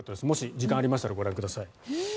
もし時間がありましたらご覧ください。